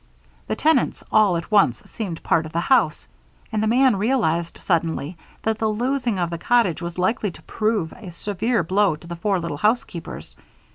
The tenants, all at once, seemed part of the house, and the man realized suddenly that the losing of the cottage was likely to prove a severe blow to the four little housekeepers.